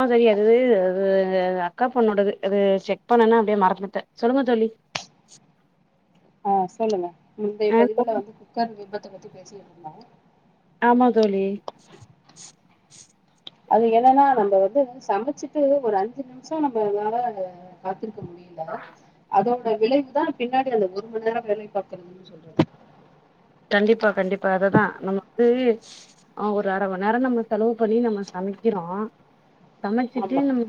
அ சரி அது அது அக்கா பொண்ணோடது அது செக் பண்ணென்னா அப்படியே மரந்துட்டே சொல்லுங்க தோழி ஆ சொல்லுங்க முந்தைய ஆ சொல் பதிவுல வந்து குக்கர் விபத்த பத்தி பேசிட்டு இருந்தோ ஆமா தோழி அது என்னன்னா நம்ம வந்து சமைச்சிட்டு ஒரு அஞ்சு நிமிஷோ நம்மனால காத்திருக்க முடியல அதோட விளைவுதா பின்னாடி அந்த ஒரு மணி நேரோ வேலை பாக்கறதுன்னு சொல்றது கண்டிப்பா கண்டிப்பா அததா நம்ம வந்து ஆ ஒரு அரை மணி நேரோ நம்ம செலவு பண்ணி நம்ம சமைக்கிறோ சமைச்சிட்டு ஆமா நம்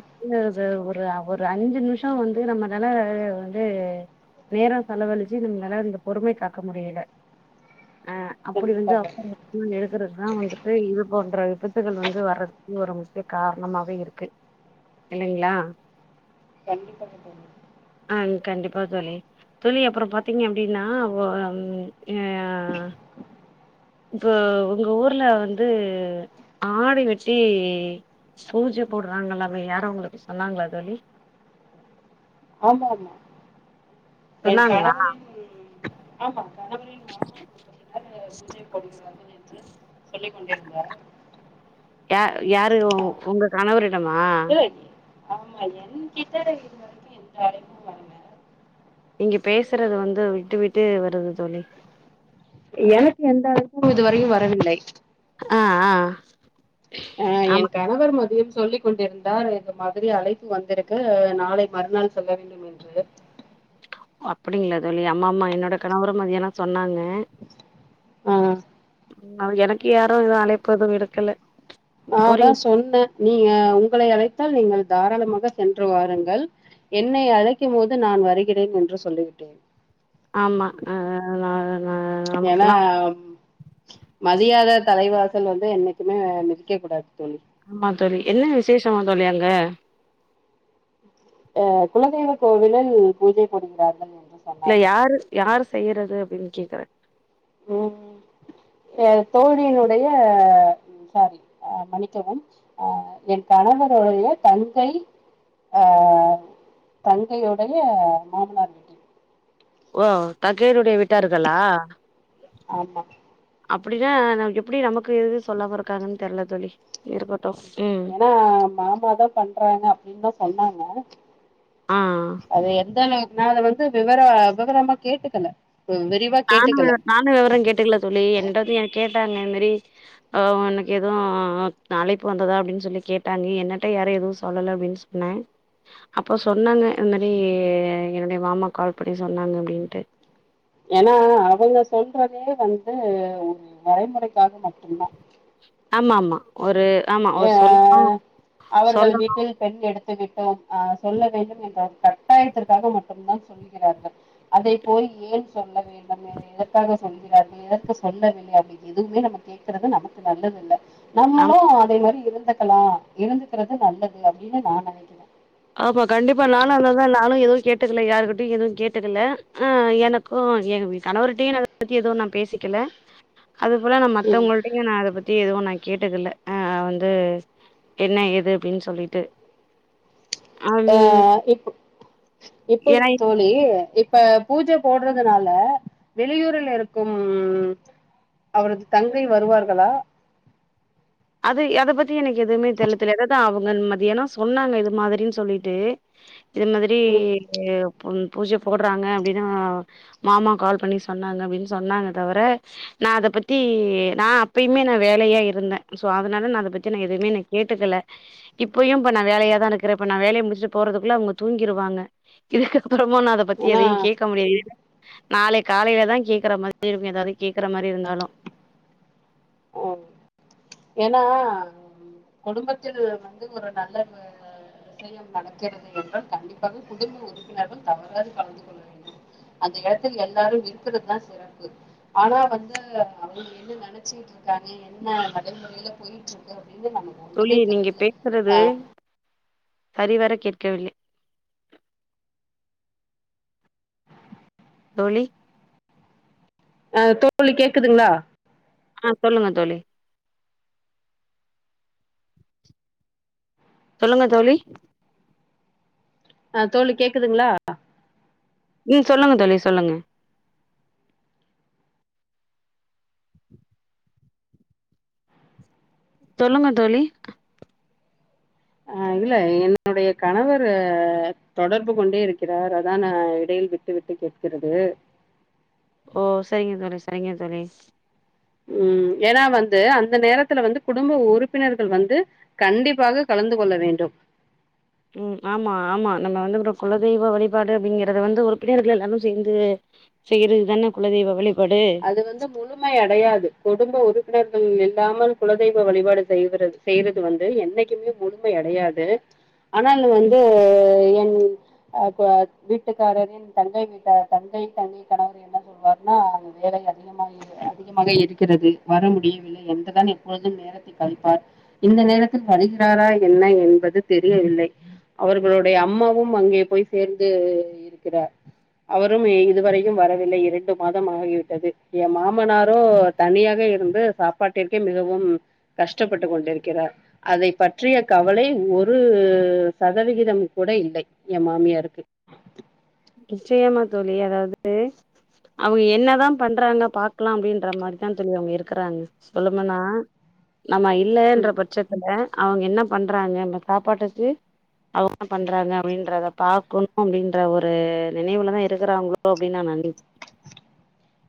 ஒரு ஒரு ஒரு அஞ்சு நிமிஷோ வந்து நம்ம நால வந்து நேரோ செலவழிச்சு நம்மால அந்த பொறுமை காக்க முடியல ஆ அப்புடி வந்து கண்டிப்பாக அப்பங்க இன்னு நெருக்குறத்தா வந்துட்டு இது போன்ற விபத்துகள் வந்து வர்றதுக்கு ஒரு முக்கிய காரணமாவே இருக்கு இல்லைங்களா கண்டிப்பாக தோழி ஆ கண்டிப்பா தோழி தோழி அப்பறோ பாத்தீங்க அப்டினா வ ம் எ அ இப்போ ஒங்க ஊர்ல வந்து ஆடு வெட்டி பூஜ போடுறாங்களாமே யாரு ஒங்களுக்கு சொன்னாங்களா தோழி ஆமாமா எ சொன்னாங்களா கணவரின் ஆமா கணவரின் மாமா சொன்னாங்க அங்க பூஜை போடுகிறார்கள் என்று சொல்லிக் கொண்டிருந்தார் யா யாரு ஆ உங்க கணவரிடமா இல்ல ஆமா என் கிட்ட இதுவரைக்கு எந்த அழைப்பு வரல நீங்க பேசறது வந்து விட்டு விட்டு வருது தோழி எனக்கு எந்த அழைப்பு இதுவரையு வரவில்லை ஆ ஆ அ ஆமா என் கணவர் மதியம் சொல்லிக் கொண்டிருந்தார் இது மாதிரி அழைப்பு வந்திருக்கு நாளை மறுநாள் சொல்ல வேண்டும் என் என்று அப்டிங்களா தோழி அம்மம்மா என்னோட கணவரு மதியானோ சொன்னாங்க ஆ எனக்கு யாரு எது அழைப்பு எது விடுக்கல நா அதா போறீங் சொன்னே நீங்க உங்களை அழைத்தால் நீங்கள் தாராளமாக சென்று வாருங்கள் என்னை அழைக்கும் போது நான் வருகிறேன் என்று சொல்லிவிட்டேன் ஆமா அது நா அது நா ஏனா நமக்குல்லா மதியாத தலைவாசல் வந்து என்னைக்குமே மிதிக்க கூடாது தோழி ஆமா தோழி என்ன விசேஷமா தோழி அங்க அ குலதெய்வ கோவிலில் பூஜை போடுகிறார்கள் என்று இல்ல சொன்னார்கள் யாரு யாரு செய்றது அப்டின் கேக்குறே ம் எ தோழியினுடைய சாரி அ மன்னிக்கவும் அ என் கணவருடைய தங்கை ஆ தங்கையுடைய மாமனார் வீ ஆ தங்கையினுடைய வீட்டார்களா ஆமா அப்டினா நமக்கு எப்டி நமக்கு எது சொல்லாம இருக்காங்கன் தெர்ல தோழி இருக்கட் ஏனா மாமா தா பண்றாங்க அப்டின் தா சொன்னாங்க ஆ அது எ எந்தனா நா அத வந்து விவர விவரமா கேட்டுக்கல ம் விரி நானு நானு விவரோ கேட்டுக்கல தோழி என்னிட்ட வந்து எ கேட்டாங்க இது மாரி அ ஒனக்கு எதுவு அழைப்பு வந்ததா அப்டின் சொல்லி கேட்டாங்க என்னட்ட யாரு எது சொல்லல அப்டின் சொ ன்னே அப்போ சொன்னாங்க இது மாரி என்னுடைய மாமா கால் பண்ணி சொன்னாங்க அப்டின்ட்டு ஏனா அவுங்க சொல்றதே வந்து ஒரு வரைமுறைக்காக மட்டுந்தா ஆமாமா ஒரு ஆமா ஒரு சொல்லணு ஏ அவர்கள் சொல்லணு வீட்டில் பெண் எடுத்துவிட்டோம் அ சொல்ல வேண்டும் என்ற ஒரு கட்டாயத்திற்காக மட்டும்தான் சொல் கிறார்கள் அதே போல் ஏன் சொல்ல வேண்டும் எ எதற்காக சொல்கிறார்கள் எதற்கு சொல்லவில்லை அப்டின் எதுவுமே நம்ம கேக்குறது நமக்கு நல்லதில்ல ஆமா நம்மளு அதே மாரி இருந்துக்கலா இருந்துக்குறது நல்லது அப்டின்னு நா நனக்கிற ஆப்பா கண்டிப்பா நானு அதேதா நானு எதுவு கேட்டுக்குல்ல யாருகிட்டயு எதுவு கேட்டுக்கல ஆ எனக் கு ஏ வீ கணவிருட்டயு நா அத பத்தி எதுவு நா பேசிக்கல அது போல நா மத்தவ்ங்குள் டிங்கு நா அத பத்தி எதுவு நா கேட்டுக்கல்ல அ வந்து என்ன எது அப்டின் சொல்லிட்டு அம் ஏ இப்பு ஏன்னா இப்பொழுது தோழி இப் இப்ப பூஜ போட்றதுனால வெளியூரில் இருக்கும் அவரது தங்கை வருவார்களா அது அத பத்தி எனக்கு எதுவுமே தெர்ல தோழி அதாவ்து அவுங்க மதியானோ சொன்னாங்க இது மாதுரின் சொல்லிட்டு இது மாதுரி ம் ஏ புன் பூஜ போட்றாங்க அப்டின்னு மாமா கால் பண்ணி சொன்னாங்க அப்டின் சொன்னாங்க தவர நா அத பத்தி நா அப்பயுமே நா வேலையா இருந்த சோ அதுனால நா அத பத்தி நா எதுவுமே நா கேட்டுக்கல இப்பயு இப்ப நா வேலையா தா இருக்குற இப்ப நா வேலைய முடிச்சட்டு போறதுக்குள்ள அவுங்க தூங்கிருவாங்க இதுக்ககு அப்புறமு நா அத பத்தி எதயு ஆனா கேக்க முடியாது நாளை காலைலதா கேக்குற மாதுரி இருக்கு எதாவ்து கேக்குற மாரி இருந்தாலு ஓ ஏன்னா குடும்பத்தில் வந்து ஒரு நல்ல வ ஷயம் நடக்கிறது என்றால் கண்டிப்பாக குடும்ப உறுப்பினர்கள் தவறாது கலந்து கொள்ள வேண்டு அந்த எடத்தில் எல்லாரும் இருக்குறதுதா சிறப்பு ஆனா வந்து அவங்க என்ன நெனைச்சிகிட்ருக் க்கங்க என்ன மதல்முறைல போயிட்ருக்கு அப்டின்னு நம்ம தோழி நீங்க பேசுறது சரிவர கேட்கவில்லை தோழி அ தோழி கேக்குதுங்ளா அ சொல்லுங்க தோழி சொல்லுங்க தோழி அ தோழி கேக்குதுங்ளா ம் சொல்லுங்க தோழி சொல்லுங்க சொல்லுங்க தோழி அ இல்ல என்னுடைய கணவரு தொடர்பு கொண்டே இருக்கிறார் அதா நா இடையில் விட் ட்டு விட்டு கேட்கிறது ஓ சரிங்க தோழி சரிங்க தோழி ம் ஏனா வந்து அந்த நேரத்துல வந்து குடும்ப உறுப்பினர்கள் வந்து கண்டிப்பாக கலந்து கொள்ள வேண்டும் ம் ஆமா ஆமா நம்ம வந்து அப்றோ குலதெய்வ வழிபாடு அப்டிங்கிறத வந்து உறுப்பினர்கள் எல்லாரு சேந்து செய்யிறது தான குலதெய்வ வழிபாடு அது வந்து முழுமை அடையாது குடும்ப உறுப்பினர்கள் இல்லாமல் குலதெய்வ வழிபாடு செய்விறது செய்றது வந்து என்னைக்குமே முழுமை அடையாது ஆனால் வந்து என் அப்ப வீட்டுக்காரரின் தங்கை வீட்டார் தங்கை தனி கணவர் என்ன சொல்வாருனா வேலை அதிகமாகி அதிகமாக இருக்கிறது வர முடியவில்லை என்றுதான் எப்பொழுதும் நேர த்தி கழிப்பார் இந்த நேரத்தில் வருகிறாரா என்ன என்பது தெரியவில்லை அவர்களுடைய அம்மாவும் அங்கே போய் சேர்ந்து இருக்கிறார் அவரும் இதுவரையும் வரவில்லை இரண்டு மாதம் ஆகி விட் டது எ மாமனாரு தனியாவே இருந்து சாப்பாட்டிற்கே மிகவும் கஷ்டப்பட்டு கொண்டிருக்கிறார் அதை பற்றிய கவலை ஒரு சதவிகிதம் கூட இல்லை எ மாமியாருக்கு நிச்சயமா தோழி அதாவது அவுங்க என்னதா பண்றாங்க பாக்கலா அப்டின்ற மாரிதா தோழி அவங்க இருக்கறாங்க சொல்லப்போனா நம்ம இல்லன்ற ம் பச்சத்துல அவுங்க என்ன பண்றாங்க இந்த சாப்பாட்டுக்கு அவுங்க பண்றாங்க அப்டின்றத பாக்கணு அப்டின்ற ஒரு ஒரு நினைவுல தா இருக்குறாங்களோ அப்டின்னு நா [inaudible]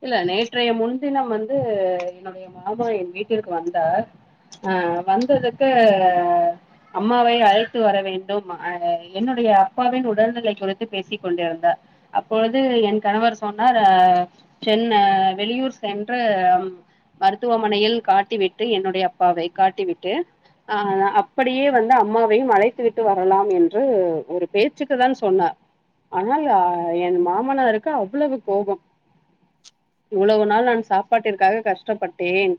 இல்ல நேற்றைய முன்தினம் வந்து என்னுடைய மாமா என் வீட்டிற்கு வந்தார் அ வந்ததற்கு அம்மாவை அழைத்து வர வேண்டும் அ என்னுடைய அப்பாவின் உடல்நிலை குறித்து பேசிக் கொண்டிருந்தார் அப்பொழுது என் கணவர் சொன்னார் அ சென்ன வெளியூர் சென்று மருத்துவமனையில் காட்டி விட்டு என்னுடைய அப்பாவை காட்டி விட்டு ஆ அப்படியே வந்து அம்மாவையும் அழைத்து விட்டு வரலாம் என்று ஒரு பேச்சுக்கு தான் சொன்னார் ஆனால் என் மாமனாருக்கு அவ்வளவு கோபம் இவ்வளவு நாள் நான் சாப்பாட்டிற்காக கஷ்டப்பட்டேன்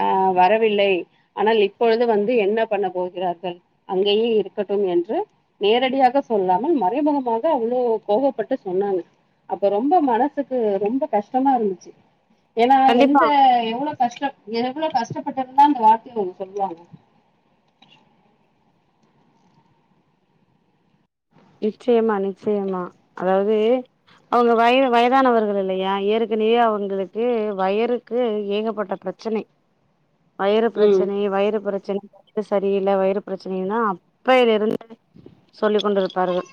ஆ வரவில்லை ஆனால் இப்பொழுது வந்து என்ன பண்ண போகிறார்கள் அங்கேயே இருக்கட்டும் என்று நேரடியாக சொல்லாமல் மறைமுகமாக அவ்ளோ கோவப்பட்டு சொன்னாங்க அப்ப ரொம்ப மனசுக்கு ரொம்ப கஷ்டமா இருந்துச்சு ஏன்னா கண்டிப்பா எந்த எவ்ளவு கஷ்டம் எவ்வளோ கஷ்டப்பட்டுருந்தா அந்த வார்த்தைய அவுங்க சொல்லுவாங்க நிச்சயமா நிச்சயமா அதாவது அவுங்க வய வயதானவர்கள் இல்லையா ஏற்கனவே அவுங்களுக்கு வயருக்கு ஏகப்பட்ட பிரச் சனை வயிறு ம் பிரச்சனை வயிறு பிரச்சனை சரியில்லை வயிறு பிரச்சனைன்னா அப்பய்ல இருந்து சொல்லிக் கொண்டிருப்ப பார்கள்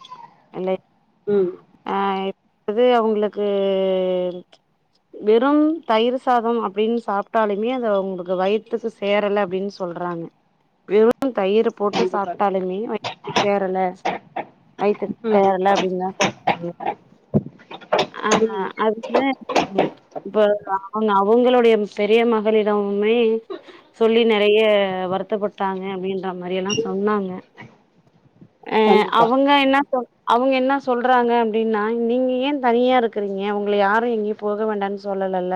நல்ல ம் அ இப்போது அவுங்களுக்கு வெறும் தயிர் சாதம் அப்டின்னு சாப்ட்டாலுமே அது அவுங்களுக்கு வயிற்றுக்கு சேரல அப்டின்னு சொல்றாங்க வெறும் தயிரு போட்டு கண்டிப்பாக சாப்ட்டாலுமே [inaudible] சேரல வயித்துக்கு ம் சேரல அப்டின்னுதா சொல்றாங்க ம் ஆ அதுக்கு இப்ப அவுங்க அவுங்களுடைய பெரிய மகளிடமுமே சொல்லி நெறைய வருத்தப்பட்டாங்க அப்டின்ற மாரி எல்லா சொன்னாங்க கண்டிப் அவுங் க என்ன சொல் அவுங்க என்ன சொல்றாங்க அப்டின்னா நீங்க ஏ தனியா இருக்குறீங்க உங்கள யாரு எங்கெயு போக வேண்டான் சொல்லலல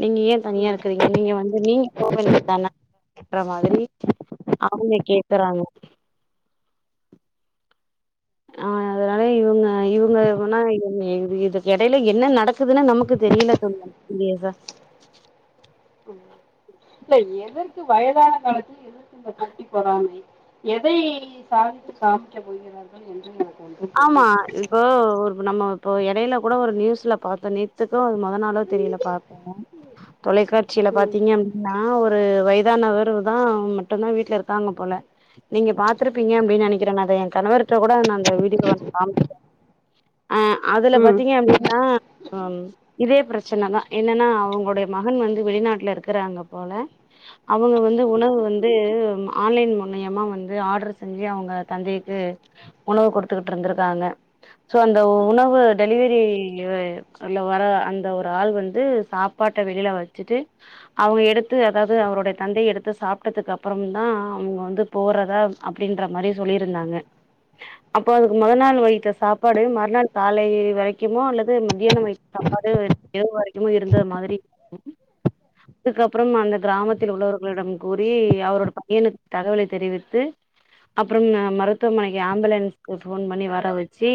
நீங்க ஏ தனியா ம் இருக்குறீங்க நீங்க வந்து [inaudible] தானன்ற மாதிரி அவுங்க கேக்குறாங்க நகைய இவுங்க இவுங்க [unintelligible] ஆ என் இது இதுக் எடையில என்ன நடக்குதுன்னு நமக்கு தெரியில தோழி சீரியஸா ம் இல்ல எதற்கு வயதான காலத்துல இந்த போட்டி பொறாமை எதை சாதித்து காமிக்க போகிறார்கள் என்று [unintelligible] ஆமா இப்போ ஒரு நம்ம இப்போ எடைல கூட ஒரு நியூஸ்ல பாத்தோ நே த்துக்கோ அது‌ மொத நாளோ தெரியல பாத்தோ தொலைக்காட்சில ம் பாத்தீங்க அப் டின்னா ஒரு வயதானவரு தா மட்டுந்தா வீட்ல இருக்காங்க போல நீங்க பாத்துருப்பீங்க அப்டின் நெனக்கிறே நா அத எ கணவர்ட கூட நா அந்த வீ [unintelligible] காம்ச்சே ஆ அதுல ம் பாத்தீங்க அப்டின்னா அம் இதே பிரச்சனதா என்னன்னா அவுங்குடைய மகன் வந்து வெளிநாட்ல இருக்குறாங்க போல அவுங்க வந்து உணவு வந்து ஆன்லைன் மூனியமா வந்து ஆடர் செஞ்சு அவுங்க தந்தைக்கு உணவு கொடு த்துகிட்ருந்துருக்காங்க சோ அந்த உணவு டெலிவரி வ இல்ல வர அந்த ஒரு ஆள் வந்து சாப்பாட்ட வெளில வச்சுட்டு அவுங்க எடுத்து அதாது அவருடைய தந்தை எடுத்து சாப்டதுக்கு அப்புறமுந் தா அவுங்க வந்து போறதா அப்டின்ற மாரி சொல்லியிருந்தாங்க அப்போ அதுக்கு மொத நாள் வகித்த சாப்பாடயு மறுநாள் காலை வரைக்குமோ அல்லது மதியானம் வ சாப்பாடு எது வரைக்குமோ இருந்த மாதிரி அதுக்கப்புறம் அந்த கிராமத்தில் உள்ளவர்களிடம் கூறி அவரோட பையனுக்கு தகவலை தெரிவித்து அப்புறம் மருத்துவமனைக்கு ஆம்புலன்ஸ்க்கு ஃபோன் பண்ணி வர வச்சி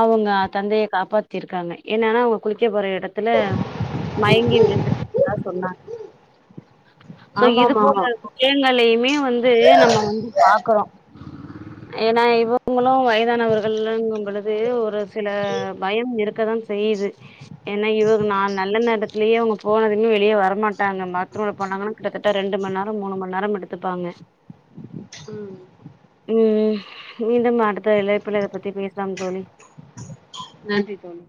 அவங்க தந்தைய காப்பாத்திருக்காங்க என்னனா அவுங்க குளிக்க போற எடத்துல மயங்கி விழுந்திருக்கற்தா சொன்னாங்க சோ இது ஆமாம் போல ஆமாம் ஏங்களையுமே வந்து நம்ம வந்து பாக்குறோ ஏனா இ வுங்களு வயதானவர்கள்லுங்கும் பொழுது ஒரு சில பயம் இருக்கதா செய்யிது ஏன்னா இவுங்க நா நல்ல நேரத்துலயே இவுங்க போனதும்மே வெளிய வரமாட்டாங்க பாத்ரூல போனாங்கனா கிட்டத்தட்ட ரெண்டு மண் நேர மூணு மண் நேரம் எடுத்துப்பாங்க உ ம் மீண்டும் அடுத்த இழைப்புல இத பத்தி பேசலாம் தோழி நன்றி தோழி